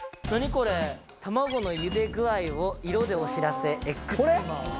これ「卵のゆで具合を色でお知らせエッグタイマー」